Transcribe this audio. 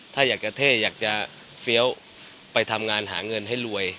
ถ้าอยากจะเท่อยากจะเฟี้ยวไปทำงานหาเงินให้รวย